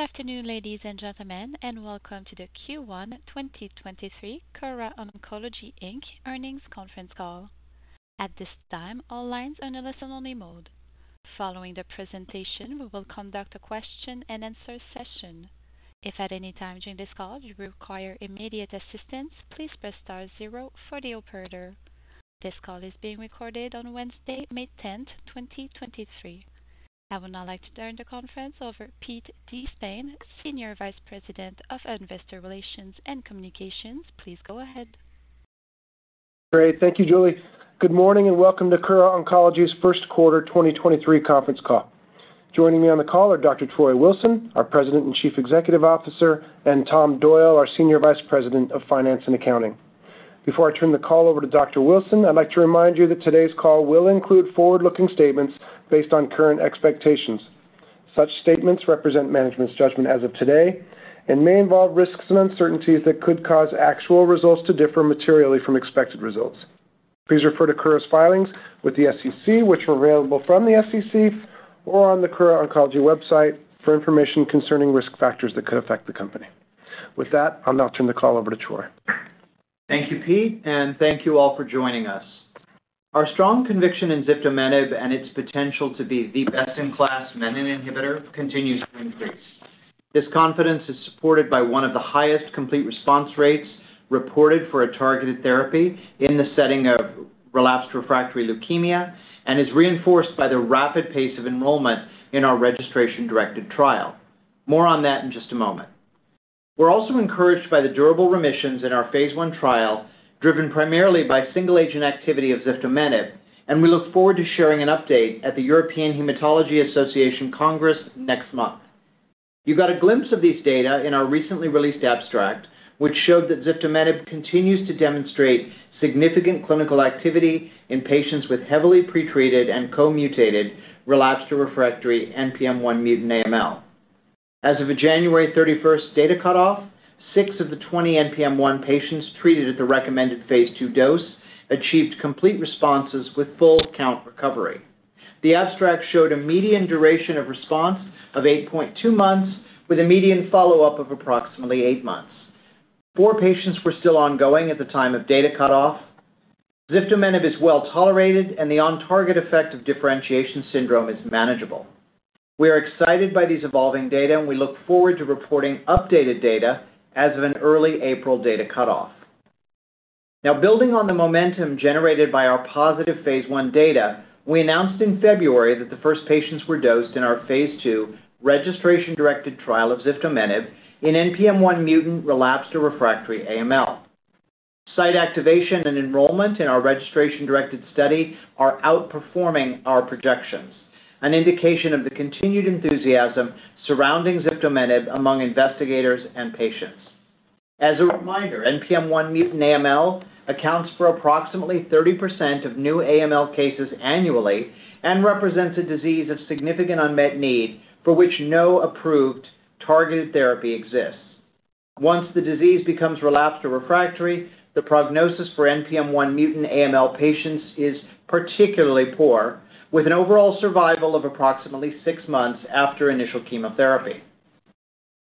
Good afternoon, ladies and gentlemen, welcome to the Q1 2023 Kura Oncology, Inc. earnings conference call. At this time, all lines are in a listen-only mode. Following the presentation, we will conduct a question-and-answer session. If at any time during this call you require immediate assistance, please press star zero for the operator. This call is being recorded on Wednesday, May 10th, 2023. I would now like to turn the conference over Pete De Spain, Senior Vice President, Investor Relations and Corporate Communications. Please go ahead. Great. Thank you, Julie. Good morning. Welcome to Kura Oncology's first quarter 2023 conference call. Joining me on the call are Dr. Troy Wilson, our President and Chief Executive Officer, and Tom Doyle, our Senior Vice President of Finance and Accounting. Before I turn the call over to Dr. Wilson, I'd like to remind you that today's call will include forward-looking statements based on current expectations. Such statements represent management's judgment as of today and may involve risks and uncertainties that could cause actual results to differ materially from expected results. Please refer to Kura's filings with the SEC, which are available from the SEC or on the Kura Oncology website, for information concerning risk factors that could affect the company. I'll now turn the call over to Troy. Thank you, Pete. Thank you all for joining us. Our strong conviction in ziftomenib and its potential to be the best-in-class menin inhibitor continues to increase. This confidence is supported by one of the highest complete response rates reported for a targeted therapy in the setting of relapsed refractory leukemia and is reinforced by the rapid pace of enrollment in our registration-directed trial. More on that in just a moment. We're also encouraged by the durable remissions in our phase I trial, driven primarily by single-agent activity of ziftomenib, and we look forward to sharing an update at the European Hematology Association Congress next month. You got a glimpse of these data in our recently released abstract, which showed that ziftomenib continues to demonstrate significant clinical activity in patients with heavily pretreated and co-mutated relapsed or refractory NPM1 mutant AML. As of a January 31st data cutoff, 6 of the 20 NPM1 patients treated at the recommended phase II dose achieved complete responses with full count recovery. The abstract showed a median duration of response of 8.2 months, with a median follow-up of approximately eight months. Four patients were still ongoing at the time of data cutoff. Ziftomenib is well-tolerated, and the on-target effect of differentiation syndrome is manageable. We are excited by these evolving data, and we look forward to reporting updated data as of an early April data cutoff. Now, building on the momentum generated by our positive phase I data, we announced in February that the first patients were dosed in our phase II registration-directed trial of ziftomenib in NPM1 mutant relapsed or refractory AML. Site activation and enrollment in our registration-directed study are outperforming our projections, an indication of the continued enthusiasm surrounding ziftomenib among investigators and patients. As a reminder, NPM1 mutant AML accounts for approximately 30% of new AML cases annually and represents a disease of significant unmet need for which no approved targeted therapy exists. Once the disease becomes relapsed or refractory, the prognosis for NPM1 mutant AML patients is particularly poor, with an overall survival of approximately six months after initial chemotherapy.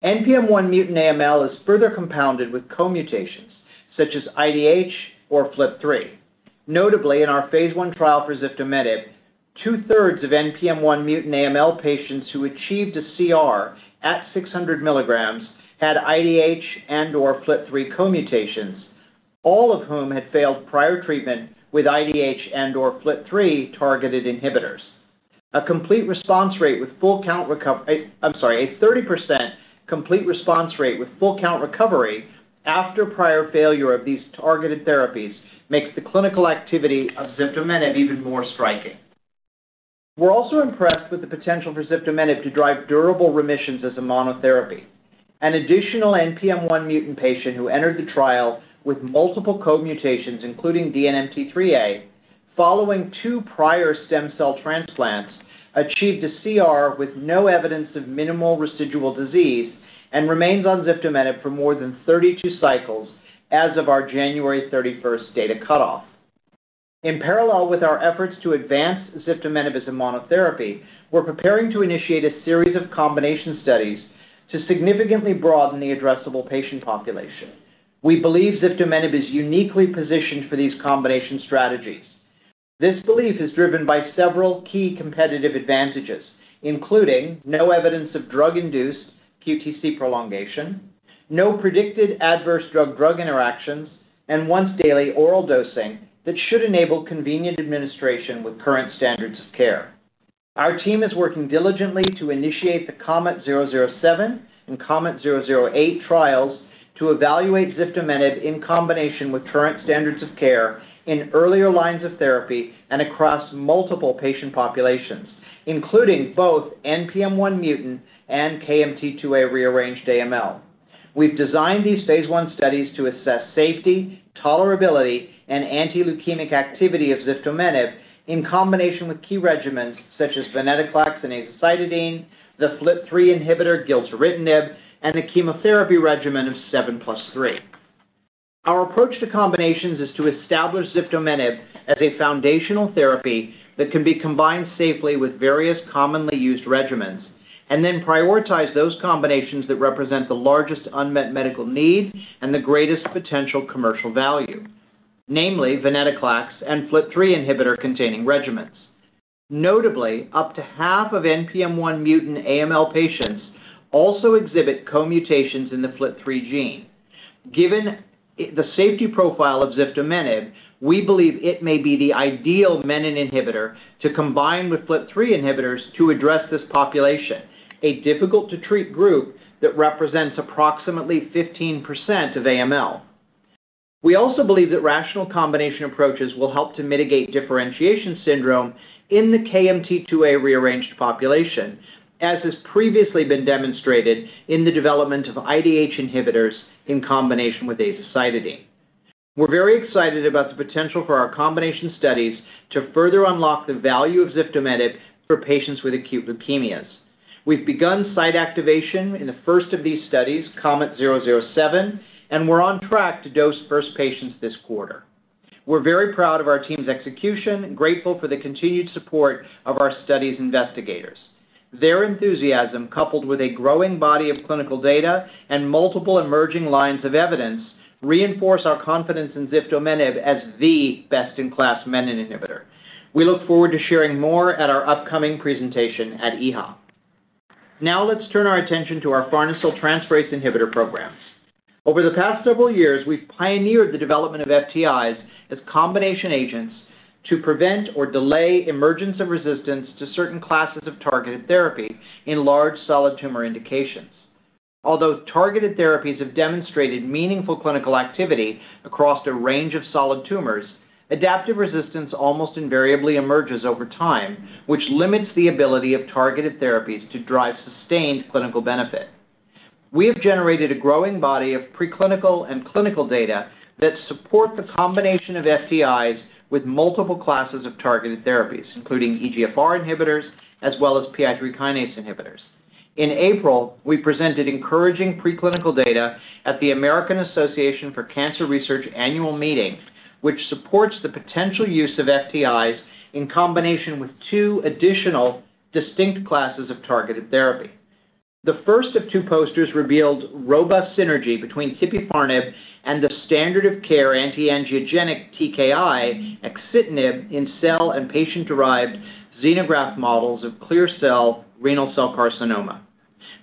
NPM1 mutant AML is further compounded with co-mutations such as IDH or FLT3. Notably, in our phase I trial for ziftomenib, two-thirds of NPM1 mutant AML patients who achieved a CR at 600 milligrams had IDH and/or FLT3 co-mutations, all of whom had failed prior treatment with IDH and/or FLT3-targeted inhibitors. I'm sorry, a 30% complete response rate with full count recovery after prior failure of these targeted therapies makes the clinical activity of ziftomenib even more striking. We're also impressed with the potential for ziftomenib to drive durable remissions as a monotherapy. An additional NPM1 mutant patient who entered the trial with multiple co-mutations, including DNMT3A, following two prior stem cell transplants, achieved a CR with no evidence of minimal residual disease and remains on ziftomenib for more than 32 cycles as of our January 31st data cutoff. In parallel with our efforts to advance ziftomenib as a monotherapy, we're preparing to initiate a series of combination studies to significantly broaden the addressable patient population. We believe ziftomenib is uniquely positioned for these combination strategies. This belief is driven by several key competitive advantages, including no evidence of drug-induced QTc prolongation, no predicted adverse drug-drug interactions, and once-daily oral dosing that should enable convenient administration with current standards of care. Our team is working diligently to initiate the KOMET-007 and KOMET-008 trials to evaluate ziftomenib in combination with current standards of care in earlier lines of therapy and across multiple patient populations, including both NPM1 mutant and KMT2A rearranged AML. We've designed these phase I studies to assess safety, tolerability, and anti-leukemic activity of ziftomenib in combination with key regimens such as venetoclax and azacitidine, the FLT3 inhibitor gilteritinib, and a chemotherapy regimen of 7+3. Our approach to combinations is to establish ziftomenib as a foundational therapy that can be combined safely with various commonly used regimens and then prioritize those combinations that represent the largest unmet medical need and the greatest potential commercial value, namely venetoclax and FLT3 inhibitor-containing regimens. Notably, up to half of NPM1 mutant AML patients also exhibit co-mutations in the FLT3 gene. Given the safety profile of ziftomenib, we believe it may be the ideal menin inhibitor to combine with FLT3 inhibitors to address this population, a difficult-to-treat group that represents approximately 15% of AML. We also believe that rational combination approaches will help to mitigate differentiation syndrome in the KMT2A rearranged population, as has previously been demonstrated in the development of IDH inhibitors in combination with azacitidine. We're very excited about the potential for our combination studies to further unlock the value of Ziftomenib for patients with acute leukemias. We've begun site activation in the first of these studies, KOMET-007, we're on track to dose first patients this quarter. We're very proud of our team's execution, grateful for the continued support of our study's investigators. Their enthusiasm, coupled with a growing body of clinical data and multiple emerging lines of evidence, reinforce our confidence in Ziftomenib as the best-in-class menin inhibitor. We look forward to sharing more at our upcoming presentation at EHA. Let's turn our attention to our farnesyl transferase inhibitor programs. Over the past several years, we've pioneered the development of FTIs as combination agents to prevent or delay emergence of resistance to certain classes of targeted therapy in large solid tumor indications. Targeted therapies have demonstrated meaningful clinical activity across a range of solid tumors, adaptive resistance almost invariably emerges over time, which limits the ability of targeted therapies to drive sustained clinical benefit. We have generated a growing body of preclinical and clinical data that support the combination of FTIs with multiple classes of targeted therapies, including EGFR inhibitors as well as PI3 kinase inhibitors. In April, we presented encouraging preclinical data at the American Association for Cancer Research Annual Meeting, which supports the potential use of FTIs in combination with two additional distinct classes of targeted therapy. The first of two posters revealed robust synergy between tipifarnib and the standard of care anti-angiogenic TKI, axitinib, in cell and patient-derived xenograft models of clear cell renal cell carcinoma.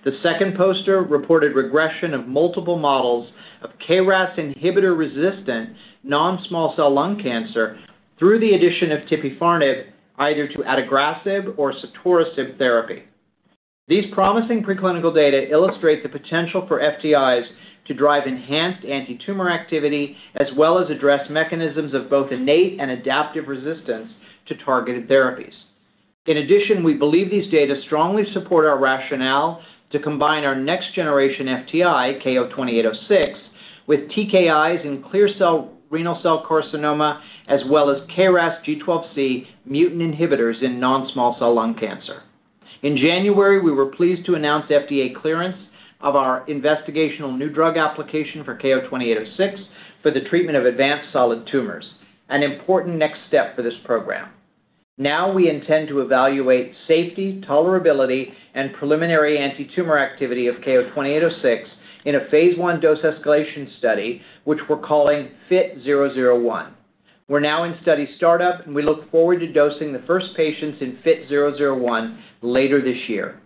The second poster reported regression of multiple models of KRAS inhibitor-resistant non-small cell lung cancer through the addition of tipifarnib either to adagrasib or sotorasib therapy. These promising preclinical data illustrate the potential for FTIs to drive enhanced antitumor activity as well as address mechanisms of both innate and adaptive resistance to targeted therapies. We believe these data strongly support our rationale to combine our next-generation FTI, KO-2806, with TKIs in clear cell renal cell carcinoma as well as KRASG12C mutant inhibitors in non-small cell lung cancer. In January, we were pleased to announce FDA clearance of our investigational new drug application for KO-2806 for the treatment of advanced solid tumors, an important next step for this program. We intend to evaluate safety, tolerability, and preliminary antitumor activity of KO-2806 in a phase 1 dose escalation study, which we're calling FIT-001. We're now in study startup, and we look forward to dosing the first patients in FIT-001 later this year.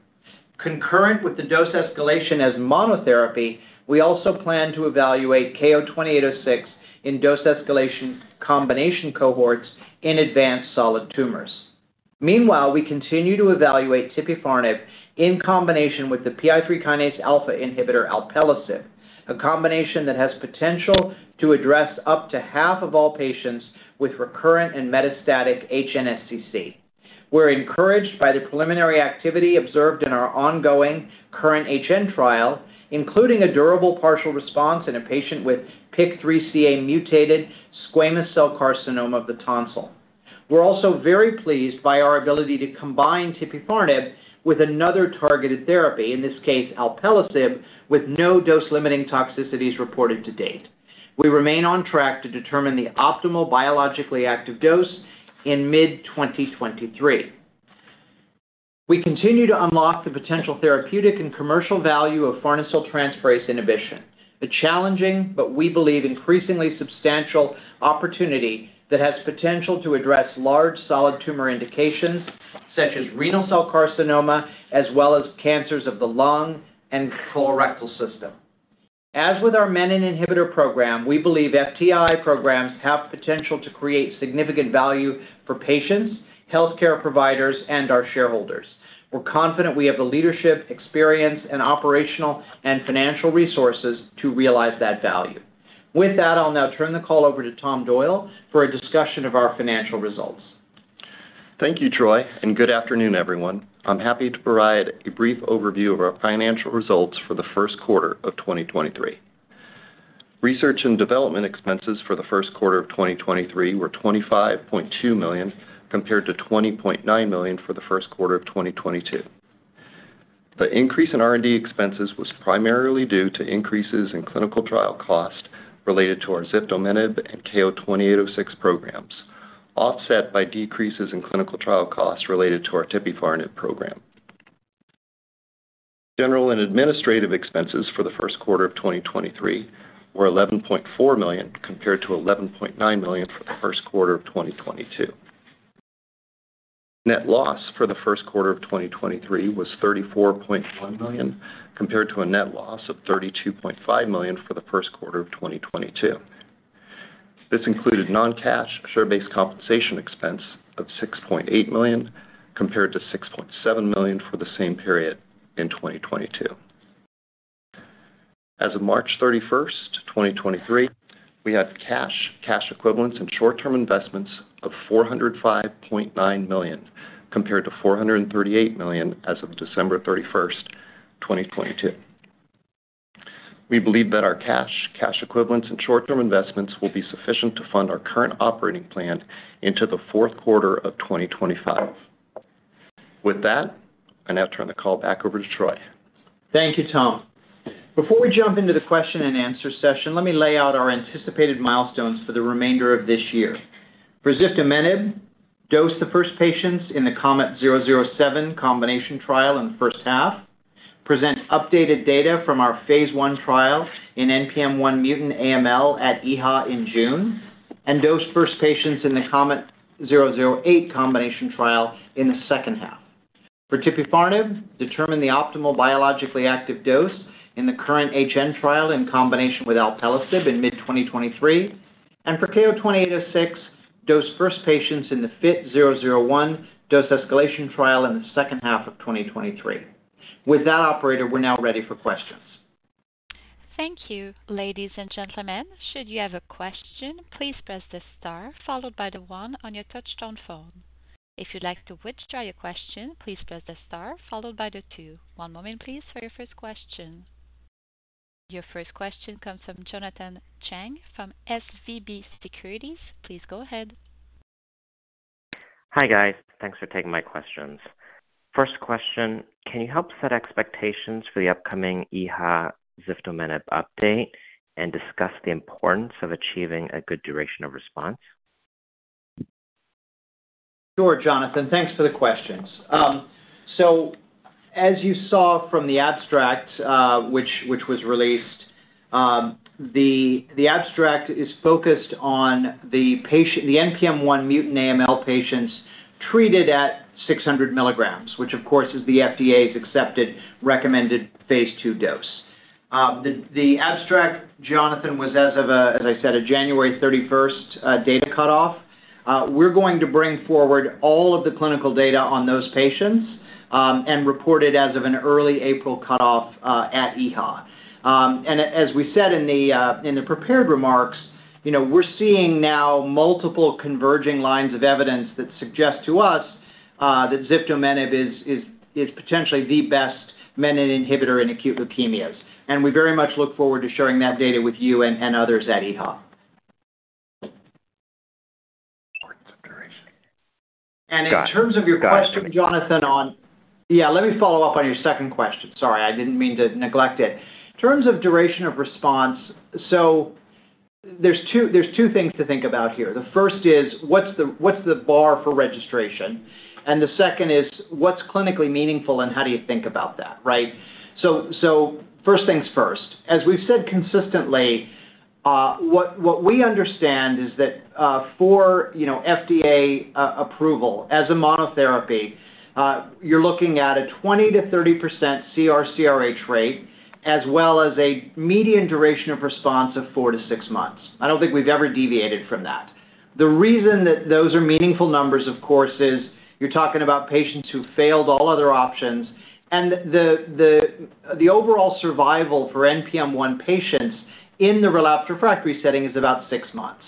Concurrent with the dose escalation as monotherapy, we also plan to evaluate KO-2806 in dose escalation combination cohorts in advanced solid tumors. Meanwhile, we continue to evaluate tipifarnib in combination with the PI3K alpha inhibitor alpelisib, a combination that has potential to address up to half of all patients with recurrent and metastatic HNSCC. We're encouraged by the preliminary activity observed in our ongoing current HN trial, including a durable partial response in a patient with PIK3CA-mutated squamous cell carcinoma of the tonsil. We're also very pleased by our ability to combine tipifarnib with another targeted therapy, in this case alpelisib, with no dose-limiting toxicities reported to date. We remain on track to determine the optimal biologically active dose in mid 2023. We continue to unlock the potential therapeutic and commercial value of farnesyl transferase inhibition, the challenging but we believe increasingly substantial opportunity that has potential to address large solid tumor indications such as renal cell carcinoma as well as cancers of the lung and colorectal system. As with our menin inhibitor program, we believe FTI programs have potential to create significant value for patients, healthcare providers, and our shareholders. We're confident we have the leadership, experience, and operational and financial resources to realize that value. With that, I'll now turn the call over to Tom Doyle for a discussion of our financial results. Thank you, Troy. Good afternoon, everyone. I'm happy to provide a brief overview of our financial results for the first quarter of 2023. Research and development expenses for the first quarter of 2023 were $25.2 million, compared to $20.9 million for the first quarter of 2022. The increase in R&D expenses was primarily due to increases in clinical trial costs related to our ziftomenib and KO-2806 programs, offset by decreases in clinical trial costs related to our tipifarnib program. General and administrative expenses for the first quarter of 2023 were $11.4 million compared to $11.9 million for the first quarter of 2022. Net loss for the first quarter of 2023 was $34.1 million compared to a net loss of $32.5 million for the first quarter of 2022. This included non-cash share-based compensation expense of $6.8 million compared to $6.7 million for the same period in 2022. As of March 31st, 2023, we have cash equivalents and short-term investments of $405.9 million compared to $438 million as of December 31st, 2022. We believe that our cash equivalents and short-term investments will be sufficient to fund our current operating plan into the fourth quarter of 2025. With that, I now turn the call back over to Troy. Thank you, Tom. Before we jump into the question and answer session, let me lay out our anticipated milestones for the remainder of this year. For ziftomenib, dose the first patients in the KOMET-007 combination trial in the first half, present updated data from our phase I trial in NPM1 mutant AML at EHA in June, and dose first patients in the KOMET-008 combination trial in the second half. For tipifarnib, determine the optimal biologically active dose in the current HN trial in combination with alpelisib in mid-2023. For KO-2806, dose first patients in the FIT-001 dose-escalation trial in the second half of 2023. With that operator, we're now ready for questions. Thank you. Ladies and gentlemen, should you have a question, please press the star followed by the one on your touchtone phone. If you'd like to withdraw your question, please press the star followed by the two. One moment please for your first question. Your first question comes from Jonathan Chang from SVB Securities. Please go ahead. Hi, guys. Thanks for taking my questions. First question, can you help set expectations for the upcoming EHA ziftomenib update and discuss the importance of achieving a good duration of response? Sure, Jonathan, thanks for the questions. As you saw from the abstract, which was released, the abstract is focused on the NPM1 mutant AML patients treated at 600 mg, which of course is the FDA's accepted recommended Phase II dose. The abstract, Jonathan, was as of, as I said, a January 31st data cutoff. We're going to bring forward all of the clinical data on those patients, and report it as of an early April cutoff at EHA. As we said in the prepared remarks, you know, we're seeing now multiple converging lines of evidence that suggest to us that ziftomenib is potentially the best menin inhibitor in acute leukemias. We very much look forward to sharing that data with you and others at EHA. Importance of duration. In terms of your question, Jonathan, on-- Yeah, let me follow up on your second question. Sorry, I didn't mean to neglect it. In terms of duration of response, there's two things to think about here. The first is what's the bar for registration? The second is what's clinically meaningful and how do you think about that, right? First things first, as we've said consistently, what we understand is that for, you know, FDA approval as a monotherapy, you're looking at a 20%-30% CR/CRh rate, as well as a median duration of response of 4-6 months. I don't think we've ever deviated from that. The reason that those are meaningful numbers, of course, is you're talking about patients who failed all other options, and the overall survival for NPM1 patients in the relapsed refractory setting is about six months.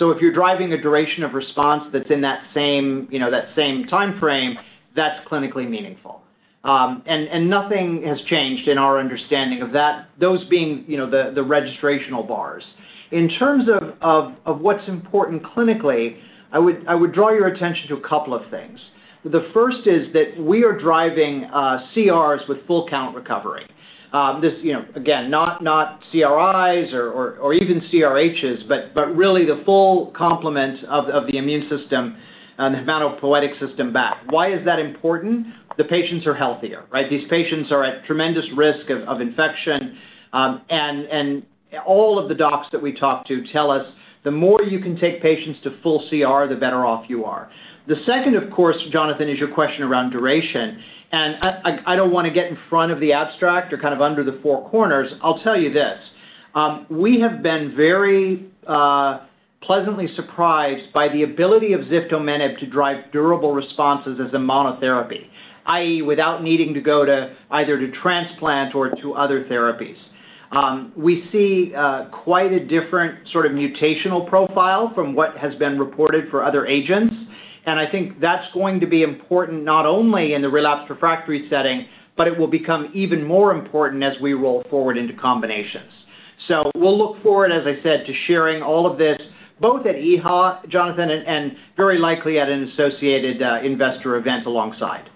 If you're driving a duration of response that's in that same, you know, that same timeframe, that's clinically meaningful. Nothing has changed in our understanding of that, those being, you know, the registrational bars. In terms of what's important clinically, I would draw your attention to a couple of things. The first is that we are driving CRs with full count recovery. This, you know, again, not CRIs or even CRHs, but really the full complement of the immune system and the hematopoietic system back. Why is that important? The patients are healthier, right? These patients are at tremendous risk of infection, and all of the docs that we talk to tell us the more you can take patients to full CR, the better off you are. The second, of course, Jonathan, is your question around duration. I don't wanna get in front of the abstract or kind of under the four corners. I'll tell you this. We have been very pleasantly surprised by the ability of Ziftomenib to drive durable responses as a monotherapy, i.e., without needing to go to either to transplant or to other therapies. We see quite a different sort of mutational profile from what has been reported for other agents, and I think that's going to be important not only in the relapsed refractory setting, but it will become even more important as we roll forward into combinations. We'll look forward, as I said, to sharing all of this both at EHA, Jonathan, and very likely at an associated investor event alongside.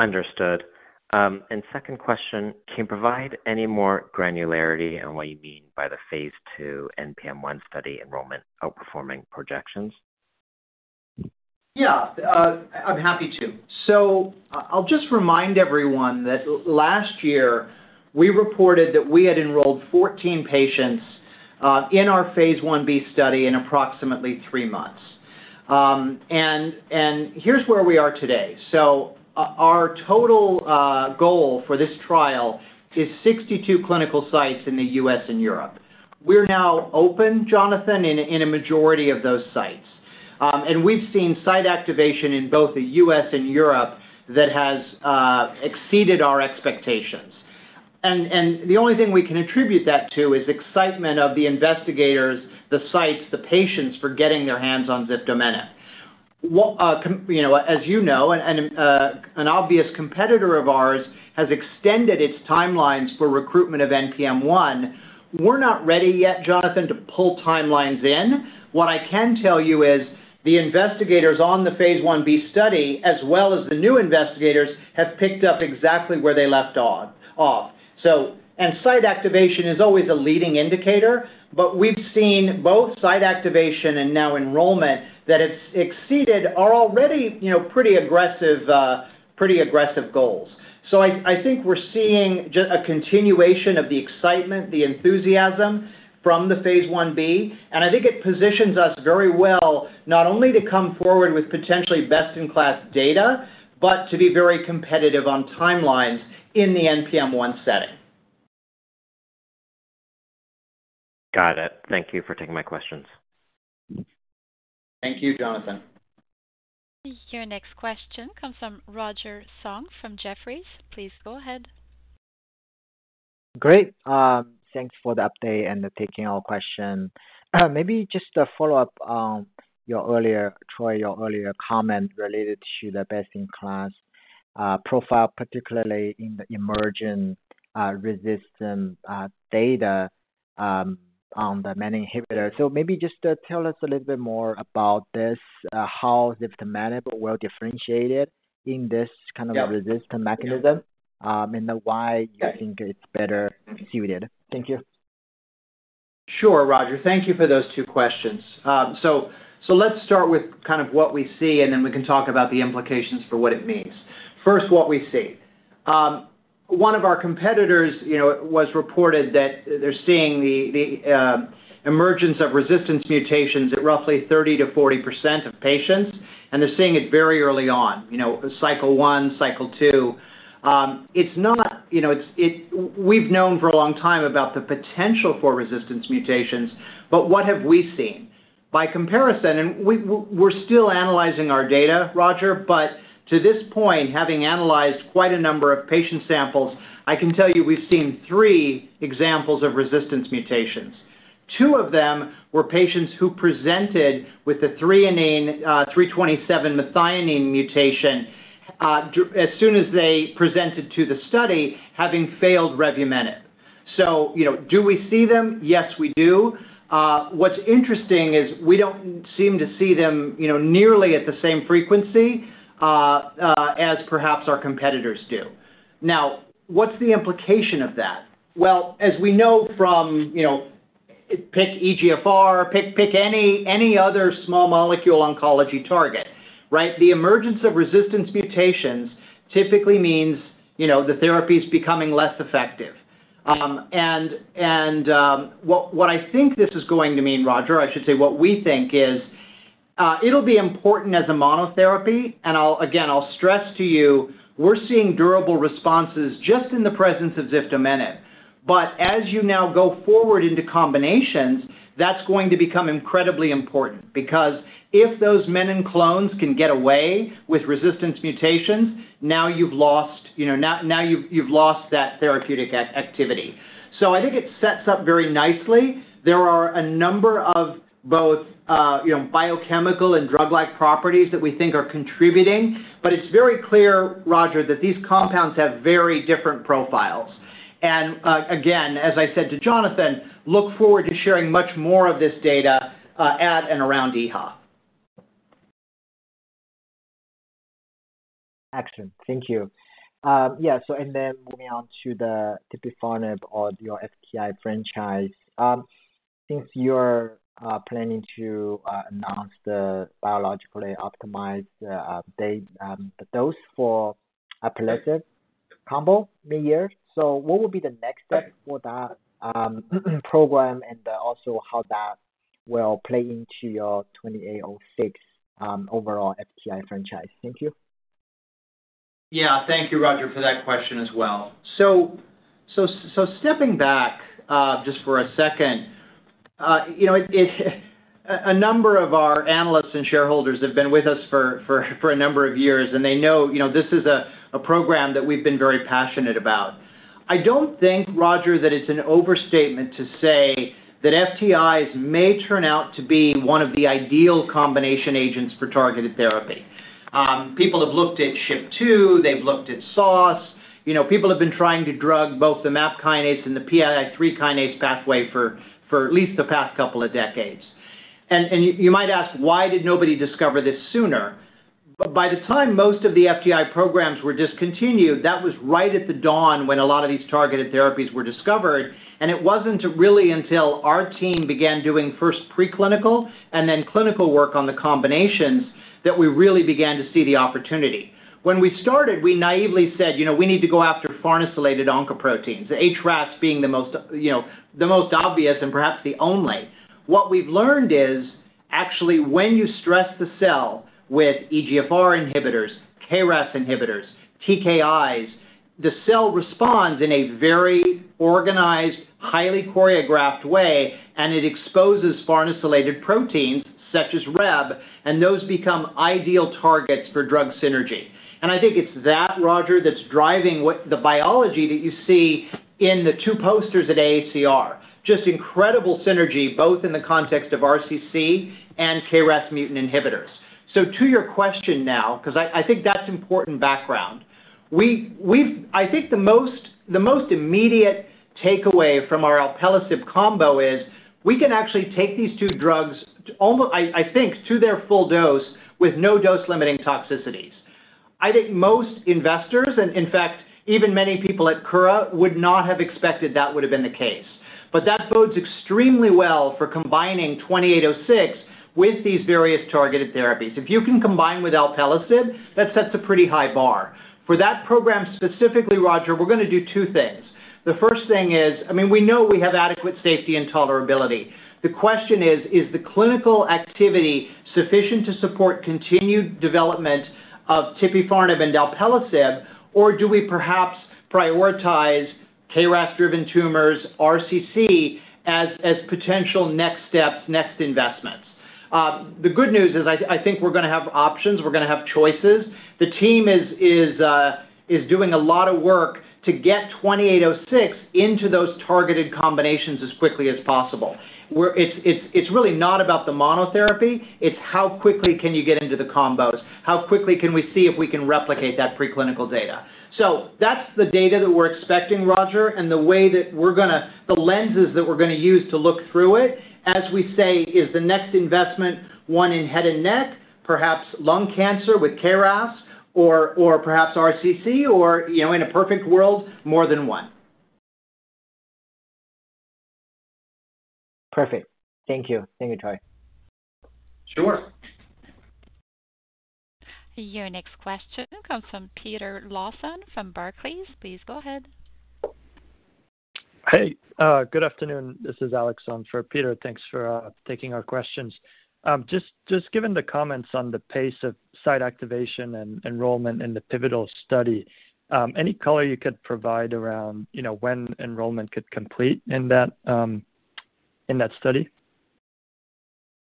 Understood. Second question, can you provide any more granularity on what you mean by the phase II NPM1 study enrollment outperforming projections? Yeah. I'm happy to. I'll just remind everyone that last year we reported that we had enrolled 14 patients in our phase Ib study in approximately three months. Here's where we are today. Our total goal for this trial is 62 clinical sites in the US and Europe. We're now open, Jonathan, in a majority of those sites. We've seen site activation in both the U.S. and Europe that has exceeded our expectations. The only thing we can attribute that to is excitement of the investigators, the sites, the patients for getting their hands on Ziftomenib. What, you know what? As you know, and an obvious competitor of ours has extended its timelines for recruitment of NPM1. We're not ready yet, Jonathan, to pull timelines in. What I can tell you is the investigators on the phase Ib study, as well as the new investigators, have picked up exactly where they left off. And site activation is always a leading indicator, but we've seen both site activation and now enrollment that it's exceeded our already, you know, pretty aggressive, pretty aggressive goals. I think we're seeing a continuation of the excitement, the enthusiasm from the phase Ib, and I think it positions us very well, not only to come forward with potentially best-in-class data, but to be very competitive on timelines in the NPM1 setting. Got it. Thank you for taking my questions. Thank you, Jonathan. Your next question comes from Roger Song from Jefferies. Please go ahead. Great. Thanks for the update and taking our question. Maybe just a follow-up on your earlier, Troy, your earlier comment related to the best-in-class, profile, particularly in the emerging, resistant, data, on the menin inhibitor. Maybe just tell us a little bit more about this, how ziftomenib will differentiate it in this kind of- Yeah. -resistant mechanism, and why- Yeah. You think it's better suited. Thank you. Sure, Roger. Thank you for those two questions. Let's start with kind of what we see, and then we can talk about the implications for what it means. First, what we see. One of our competitors, you know, it was reported that they're seeing the emergence of resistance mutations at roughly 30%-40% of patients, and they're seeing it very early on. You know, cycle one, cycle two. It's not. You know, we've known for a long time about the potential for resistance mutations. What have we seen? By comparison, and we're still analyzing our data, Roger, but to this point, having analyzed quite a number of patient samples, I can tell you we've seen three examples of resistance mutations. Two of them were patients who presented with the threonine 327 methionine mutation as soon as they presented to the study, having failed revumenib. You know, do we see them? Yes, we do. What's interesting is we don't seem to see them, you know, nearly at the same frequency as perhaps our competitors do. What's the implication of that? As we know from, you know, pick EGFR, pick any other small molecule oncology target, right? The emergence of resistance mutations typically means, you know, the therapy is becoming less effective. What I think this is going to mean, Roger, I should say what we think is, it'll be important as a monotherapy. Again, I'll stress to you, we're seeing durable responses just in the presence of Ziftomenib. As you now go forward into combinations, that's going to become incredibly important because if those menin clones can get away with resistance mutations, now you've lost that therapeutic activity. I think it sets up very nicely. There are a number of both, you know, biochemical and drug-like properties that we think are contributing. It's very clear, Roger, that these compounds have very different profiles. Again, as I said to Jonathan, look forward to sharing much more of this data at and around EHA. Excellent. Thank you. Yeah. Moving on to the tipifarnib or your FTI franchise, since you're planning to announce the biologically optimized date, dose for alpelisib combo midyear. What would be the next step for that program, and also how that will play into your KO-2806 overall FTI franchise? Thank you. Yeah. Thank you, Roger, for that question as well. Stepping back, just for a second, you know, a number of our analysts and shareholders have been with us for a number of years, and they know, you know, this is a program that we've been very passionate about. I don't think, Roger, that it's an overstatement to say that FTIs may turn out to be one of the ideal combination agents for targeted therapy. People have looked at SHP2, they've looked at SOS. You know, people have been trying to drug both the MAP kinase and the PI3 kinase pathway for at least the past couple of decades. You might ask, why did nobody discover this sooner? By the time most of the FTI programs were discontinued, that was right at the dawn when a lot of these targeted therapies were discovered. It wasn't until really until our team began doing first preclinical and then clinical work on the combinations that we really began to see the opportunity. When we started, we naively said, "You know, we need to go after farnesylated oncoproteins," the HRAS being the most, you know, the most obvious and perhaps the only. What we've learned is actually when you stress the cell with EGFR inhibitors, KRAS inhibitors, TKIs, the cell responds in a very organized, highly choreographed way, and it exposes farnesylated proteins such as RHEB, and those become ideal targets for drug synergy. I think it's that, Roger, that's driving what the biology that you see in the two posters at AACR. Just incredible synergy, both in the context of RCC and KRAS mutant inhibitors. To your question now, ’cause I think that's important background. We, I think the most immediate takeaway from our alpelisib combo is we can actually take these two drugs I think to their full dose with no dose-limiting toxicities. I think most investors, and in fact, even many people at Kura, would not have expected that would have been the case. That bodes extremely well for combining twenty-eight oh six with these various targeted therapies. If you can combine with alpelisib, that sets a pretty high bar. For that program, specifically, Roger, we're gonna do two things. The first thing is, I mean, we know we have adequate safety and tolerability. The question is the clinical activity sufficient to support continued development of tipifarnib and alpelisib, or do we perhaps prioritize KRAS-driven tumors RCC as potential next steps, next investments? The good news is I think we're gonna have options, we're gonna have choices. The team is doing a lot of work to get twenty-eight oh six into those targeted combinations as quickly as possible, where it's really not about the monotherapy, it's how quickly can you get into the combos, how quickly can we see if we can replicate that preclinical data. That's the data that we're expecting, Roger, and the way that we're gonna... the lenses that we're gonna use to look through it, as we say, is the next investment, one in head and neck, perhaps lung cancer with KRAS or perhaps RCC, or, you know, in a perfect world, more than one. Perfect. Thank you. Thank you, Troy. Sure. Your next question comes from Peter Lawson from Barclays. Please go ahead. Hey, good afternoon. This is Alex on for Peter. Thanks for taking our questions. Just given the comments on the pace of site activation and enrollment in the pivotal study, any color you could provide around, you know, when enrollment could complete in that study?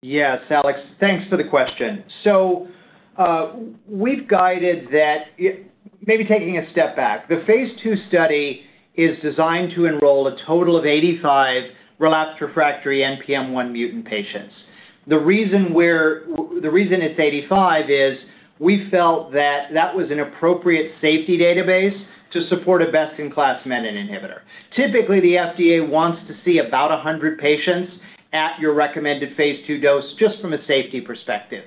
Yes, Alex, thanks for the question. We've guided that. Maybe taking a step back. The phase II study is designed to enroll a total of 85 relapsed refractory NPM1 mutant patients. The reason it's 85 is we felt that that was an appropriate safety database to support a best-in-class menin inhibitor. Typically, the FDA wants to see about 100 patients at your recommended phase II dose just from a safety perspective.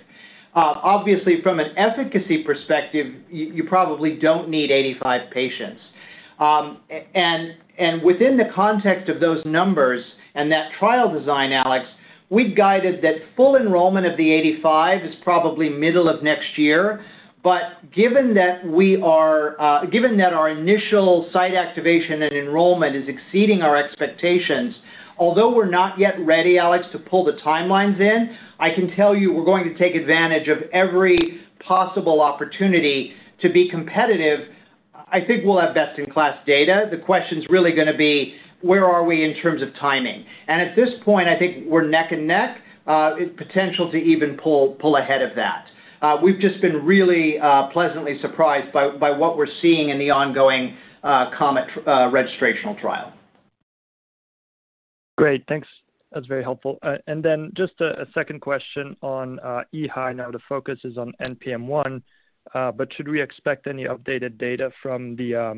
Obviously, from an efficacy perspective, you probably don't need 85 patients. And within the context of those numbers and that trial design, Alex, we've guided that full enrollment of the 85 is probably middle of next year. Given that we are, given that our initial site activation and enrollment is exceeding our expectations, although we're not yet ready, Alex, to pull the timelines in, I can tell you we're going to take advantage of every possible opportunity to be competitive. I think we'll have best-in-class data. The question is really gonna be, where are we in terms of timing? At this point, I think we're neck and neck, potential to even pull ahead of that. We've just been really pleasantly surprised by what we're seeing in the ongoing COMET registrational trial. Great. Thanks. That's very helpful. Then just a second question on EHA. I know the focus is on NPM1, but should we expect any updated data from the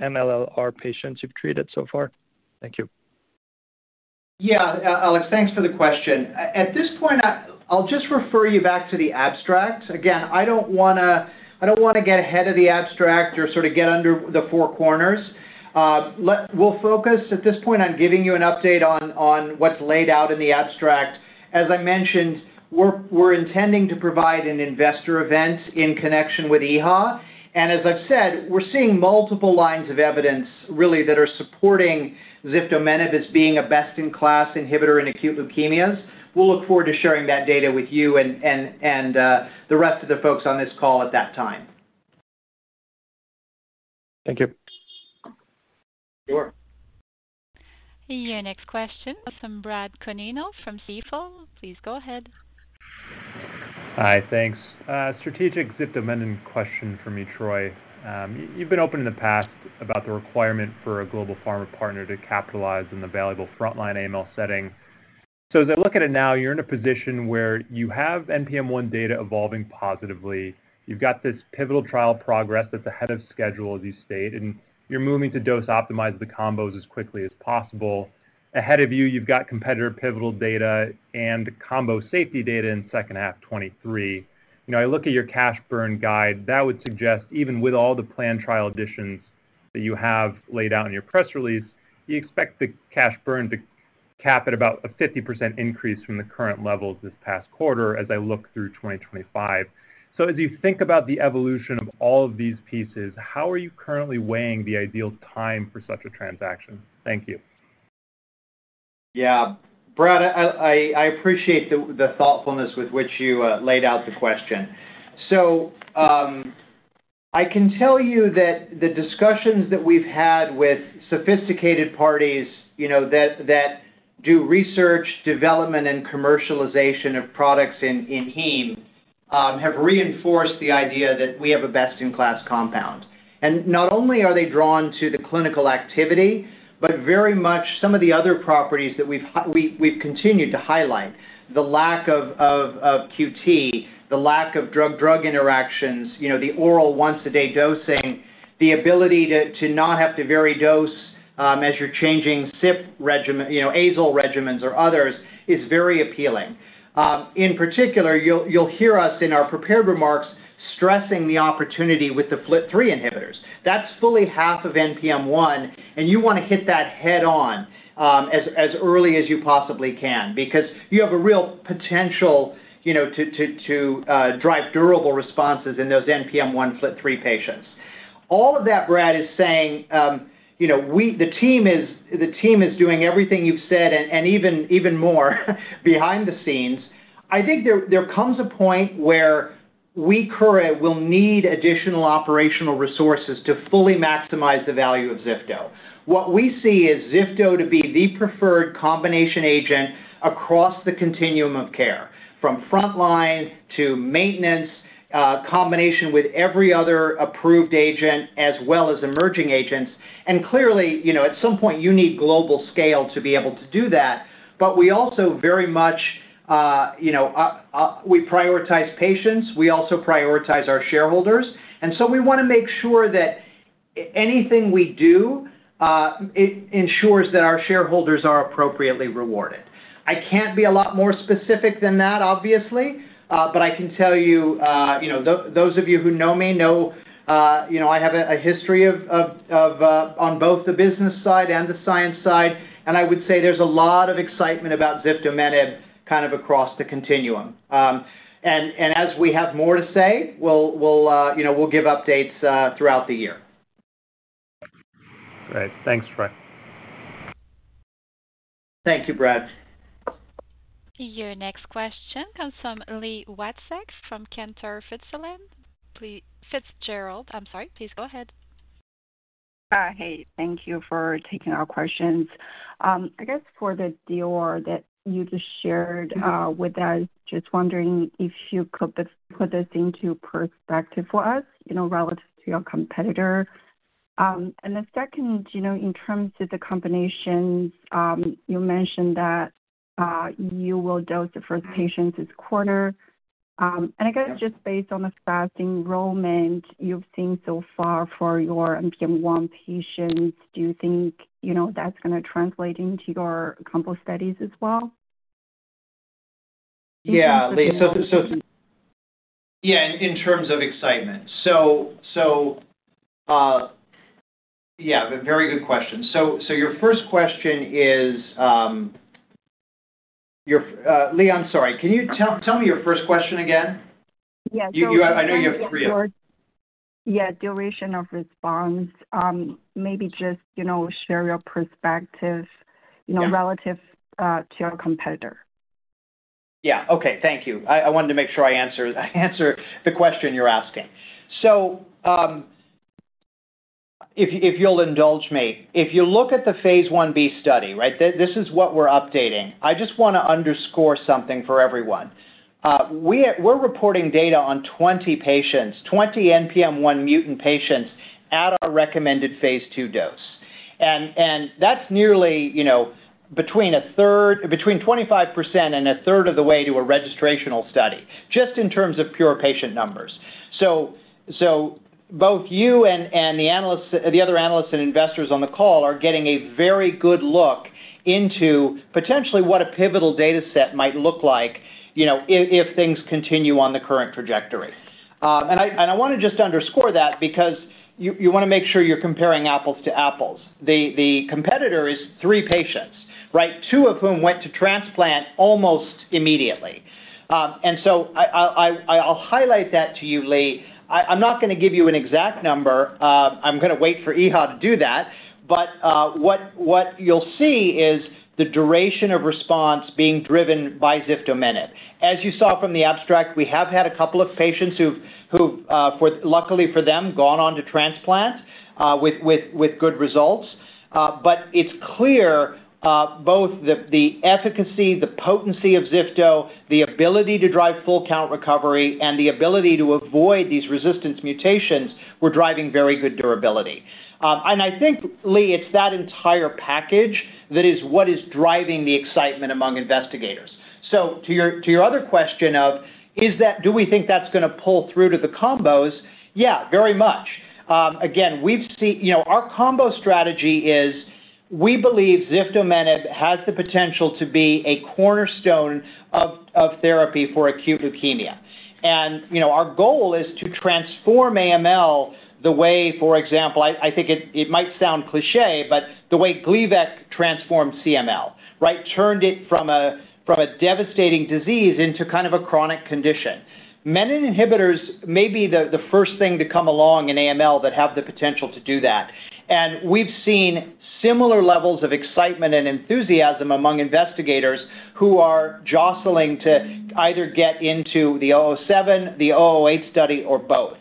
MLL-r patients you've treated so far? Thank you. Yeah, Alex, thanks for the question. At this point, I'll just refer you back to the abstract. Again, I don't wanna get ahead of the abstract or sort of get under the four corners. We'll focus at this point on giving you an update on what's laid out in the abstract. As I mentioned, we're intending to provide an investor event in connection with EHA. As I've said, we're seeing multiple lines of evidence really that are supporting ziftomenib as being a best-in-class inhibitor in acute leukemias. We'll look forward to sharing that data with you and the rest of the folks on this call at that time. Thank you. Sure. Your next question is from Brad Canino from Stifel. Please go ahead. Hi, thanks. Strategic ziftomenib question from me, Troy. You've been open in the past about the requirement for a global pharma partner to capitalize in the valuable frontline AML setting. As I look at it now, you're in a position where you have NPM1 data evolving positively. You've got this pivotal trial progress that's ahead of schedule, as you stated, and you're moving to dose optimize the combos as quickly as possible. Ahead of you've got competitor pivotal data and combo safety data in second half 2023. You know, I look at your cash burn guide. That would suggest, even with all the planned trial additions that you have laid out in your press release, you expect the cash burn to cap at about a 50% increase from the current levels this past quarter as I look through 2025. As you think about the evolution of all of these pieces, how are you currently weighing the ideal time for such a transaction? Thank you. Yeah. Brad, I appreciate the thoughtfulness with which you laid out the question. I can tell you that the discussions that we've had with sophisticated parties, you know, that do research, development, and commercialization of products in heme, have reinforced the idea that we have a best-in-class compound. Not only are they drawn to the clinical activity, but very much some of the other properties that we've continued to highlight, the lack of QT, the lack of drug-drug interactions, you know, the oral once-a-day dosing, the ability to not have to vary dose, as you're changing SIP regimen, you know, azole regimens or others, is very appealing. In particular, you'll hear us in our prepared remarks stressing the opportunity with the FLT3 inhibitors. That's fully half of NPM1, and you wanna hit that head on, as early as you possibly can because you have a real potential, you know, to drive durable responses in those NPM1 FLT3 patients. All of that, Brad, is saying, you know, the team is doing everything you've said and even more behind the scenes. I think there comes a point where we currently will need additional operational resources to fully maximize the value of zifto. What we see is zifto to be the preferred combination agent across the continuum of care, from frontline to maintenance, combination with every other approved agent as well as emerging agents. Clearly, you know, at some point you need global scale to be able to do that. We also very much, you know. We prioritize patients, we also prioritize our shareholders. We wanna make sure that anything we do, it ensures that our shareholders are appropriately rewarded. I can't be a lot more specific than that, obviously, I can tell you know, those of you who know me know, you know, I have a history of, on both the business side and the science side. I would say there's a lot of excitement about zifto-MENET kind of across the continuum. As we have more to say, we'll, you know, we'll give updates throughout the year. Great. Thanks, Fred. Thank you, Brad. Your next question comes from Li Watsek from Cantor Fitzgerald. Please... Fitzgerald. I'm sorry. Please go ahead. Hey, thank you for taking our questions. I guess for the deal that you just shared with us, just wondering if you could put this into perspective for us, you know, relative to your competitor. The second, you know, in terms of the combinations, you mentioned that you will dose the first patients this quarter. I guess just based on the fast enrollment you've seen so far for your NPM1 patients, do you think, you know, that's gonna translate into your combo studies as well? Yeah, in terms of excitement. Yeah, very good question. Your first question is, Li, I'm sorry. Can you tell me your first question again? Yeah. You, I know you have three of them. Yeah, duration of response. Maybe just, you know, share your perspective. Yeah. you know, relative to your competitor. Yeah. Okay, thank you. I wanted to make sure I answer the question you're asking. If you'll indulge me, if you look at the Phase Ib study, right? This is what we're updating. I just wanna underscore something for everyone. We're reporting data on 20 patients, 20 NPM1 mutant patients at our recommended Phase II dose. That's nearly, you know, between 25% and a third of the way to a registrational study, just in terms of pure patient numbers. Both you and the analysts, the other analysts and investors on the call are getting a very good look into potentially what a pivotal data set might look like, you know, if things continue on the current trajectory. I wanna just underscore that because you wanna make sure you're comparing apples to apples. The competitor is three patients, right? two of whom went to transplant almost immediately. I'll highlight that to you, Li. I'm not gonna give you an exact number. I'm gonna wait for EHA to do that. What you'll see is the duration of response being driven by zifto-MENET. As you saw from the abstract, we have had a couple of patients who've luckily for them, gone on to transplant with good results. It's clear both the efficacy, the potency of zifto, the ability to drive full count recovery, and the ability to avoid these resistance mutations were driving very good durability. I think, Lee, it's that entire package that is what is driving the excitement among investigators. To your, to your other question of, is that do we think that's gonna pull through to the combos? Yeah, very much. Again, You know, our combo strategy is we believe ziftomenib has the potential to be a cornerstone of therapy for acute leukemia. You know, our goal is to transform AML the way, for example, I think it might sound cliché, but the way Gleevec transformed CML, right? Turned it from a devastating disease into kind of a chronic condition. Menin inhibitors may be the first thing to come along in AML that have the potential to do that. We've seen similar levels of excitement and enthusiasm among investigators who are jostling to either get into the 007, the 008 study or both.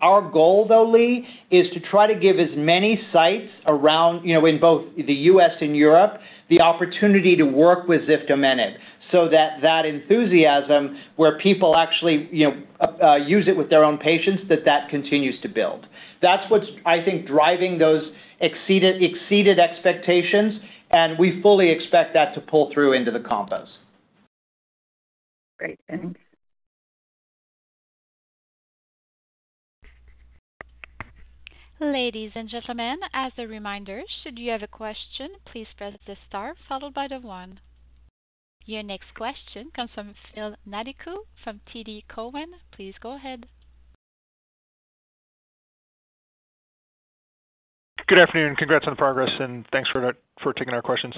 Our goal, though, Lee, is to try to give as many sites around, you know, in both the U.S. and Europe, the opportunity to work with ziftomenib so that that enthusiasm where people actually, you know, use it with their own patients, that that continues to build. That's what's, I think, driving those exceeded expectations, and we fully expect that to pull through into the combos. Great. Thanks. Ladies and gentlemen, as a reminder, should you have a question, please press the star followed by the one. Your next question comes from Phil Nadeau from TD Cowen. Please go ahead. Good afternoon. Congrats on the progress, and thanks for taking our questions.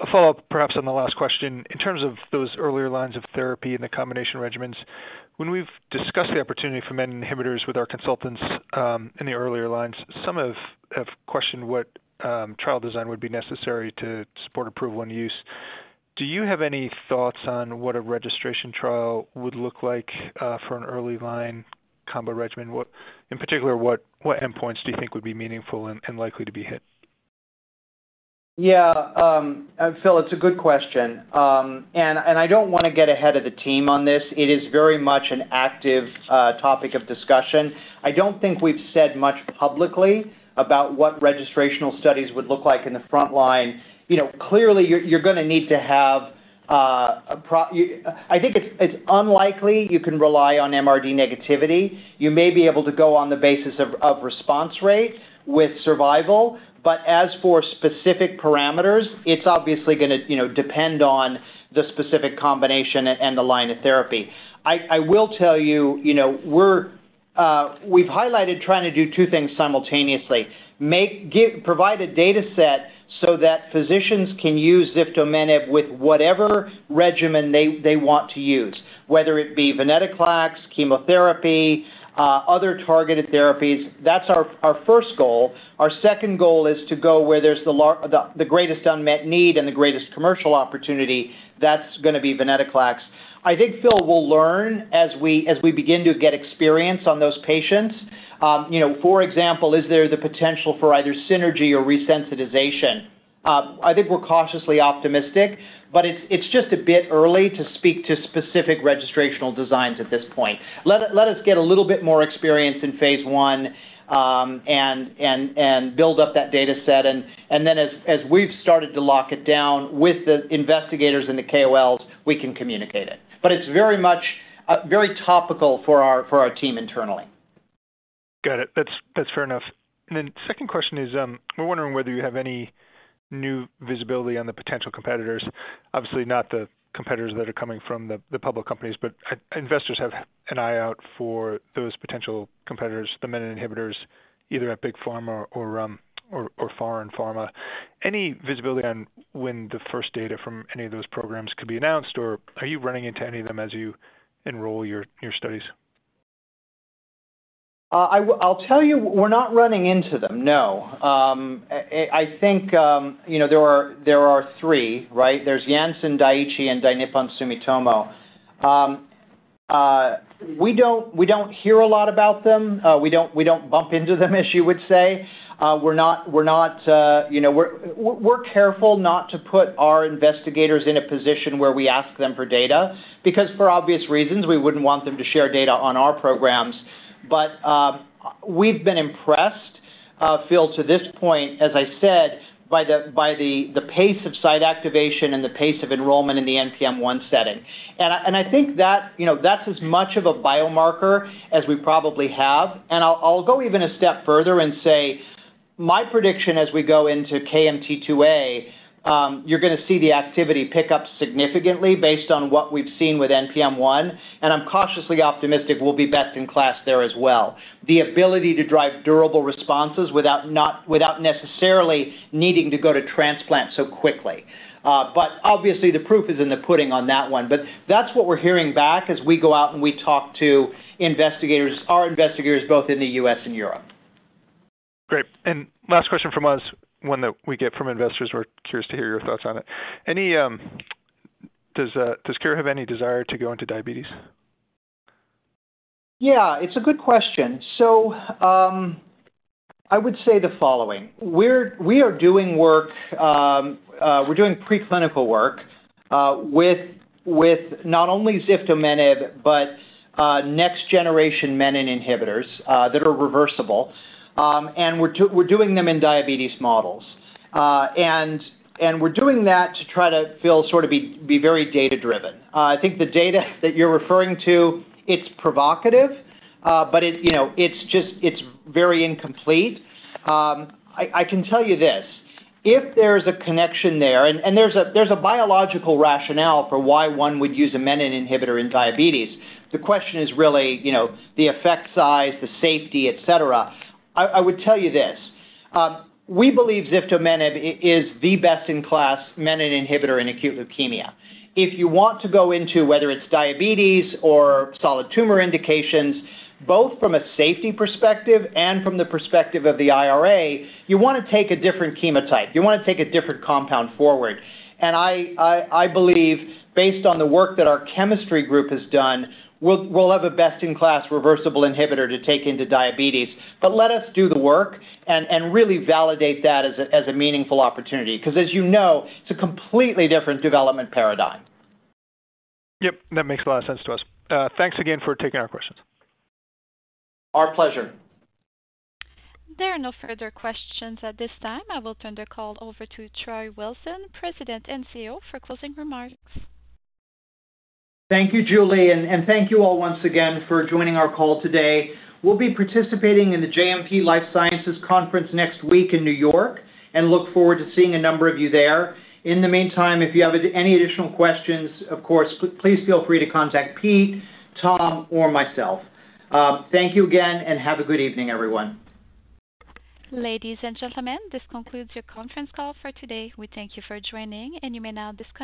A follow-up, perhaps on the last question. In terms of those earlier lines of therapy and the combination regimens, when we've discussed the opportunity for menin inhibitors with our consultants, in the earlier lines, some have questioned what trial design would be necessary to support approval and use. Do you have any thoughts on what a registration trial would look like, for an early line combo regimen? What in particular, what endpoints do you think would be meaningful and likely to be hit? Yeah, Phil, it's a good question. I don't wanna get ahead of the team on this. It is very much an active topic of discussion. I don't think we've said much publicly about what registrational studies would look like in the front line. You know, clearly you're gonna need to have. I think it's unlikely you can rely on MRD negativity. You may be able to go on the basis of response rate with survival. As for specific parameters, it's obviously gonna, you know, depend on the specific combination and the line of therapy. I will tell you know, we're, we've highlighted trying to do two things simultaneously: provide a data set so that physicians can use ziftomenib with whatever regimen they want to use, whether it be venetoclax, chemotherapy, other targeted therapies. That's our first goal. Our second goal is to go where there's the greatest unmet need and the greatest commercial opportunity. That's gonna be venetoclax. I think, Phil, we'll learn as we begin to get experience on those patients. You know, for example, is there the potential for either synergy or resensitization? I think we're cautiously optimistic, but it's just a bit early to speak to specific registrational designs at this point. Let us get a little bit more experience in phase, and build up that data set and then as we've started to lock it down with the investigators and the KOLs, we can communicate it. It's very much, very topical for our, for our team internally. Got it. That's, that's fair enough. Second question is, we're wondering whether you have any new visibility on the potential competitors, obviously not the competitors that are coming from the public companies, but investors have an eye out for those potential competitors, the menin inhibitors, either at big pharma or foreign pharma. Any visibility on when the first data from any of those programs could be announced, or are you running into any of them as you enroll your studies? I'll tell you, we're not running into them. No. I think, you know, there are three, right? There's Janssen, Daiichi, and Dai Nippon Sumitomo. We don't, we don't hear a lot about them. We don't, we don't bump into them, as you would say. We're not, we're not, you know... We're careful not to put our investigators in a position where we ask them for data because for obvious reasons, we wouldn't want them to share data on our programs. We've been impressed, Phil, to this point, as I said, by the pace of site activation and the pace of enrollment in the NPM1 setting. I think that, you know, that's as much of a biomarker as we probably have. I'll go even a step further and say my prediction as we go into KMT2A, you're gonna see the activity pick up significantly based on what we've seen with NPM1, and I'm cautiously optimistic we'll be best in class there as well. The ability to drive durable responses without necessarily needing to go to transplant so quickly. Obviously the proof is in the pudding on that one. That's what we're hearing back as we go out and we talk to investigators, our investigators both in the U.S. and Europe. Great. Last question from us, one that we get from investors. We're curious to hear your thoughts on it. Does Kura have any desire to go into diabetes? Yeah, it's a good question. I would say the following. We are doing work, we're doing preclinical work with not only Ziftomenib, but next generation menin inhibitors that are reversible. And we're doing them in diabetes models. And we're doing that to try to feel sort of be very data-driven. I think the data that you're referring to, it's provocative, but it, you know, it's just, it's very incomplete. I can tell you this. If there's a connection there, and there's a biological rationale for why one would use a menin inhibitor in diabetes, the question is really, you know, the effect size, the safety, etcetera. I would tell you this. We believe Ziftomenib is the best in class menin inhibitor in acute leukemia. If you want to go into whether it's diabetes or solid tumor indications, both from a safety perspective and from the perspective of the IRA, you wanna take a different chemotype. You wanna take a different compound forward. I believe based on the work that our chemistry group has done, we'll have a best in class reversible inhibitor to take into diabetes. Let us do the work and really validate that as a, as a meaningful opportunity, 'cause as you know, it's a completely different development paradigm. Yep, that makes a lot of sense to us. Thanks again for taking our questions. Our pleasure. There are no further questions at this time. I will turn the call over to Troy Wilson, President and CEO, for closing remarks. Thank you, Julie, and thank you all once again for joining our call today. We'll be participating in the JMP Life Sciences conference next week in New York and look forward to seeing a number of you there. In the meantime, if you have any additional questions, of course, please feel free to contact Pete, Tom, or myself. Thank you again, and have a good evening, everyone. Ladies and gentlemen, this concludes your conference call for today. We thank you for joining, and you may now disconnect.